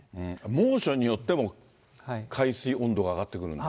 猛暑によっても、海水温度が上がってくるんですか。